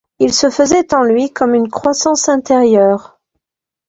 Il se faisait en lui comme une croissance intérieure.